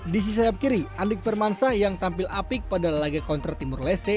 di sisi sayap kiri andrik firmansa yang tampil apik pada laga kontra timur leste